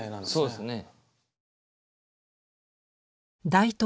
そうですね。